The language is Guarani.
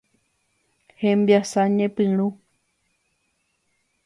Hembiasa ñepyrũ.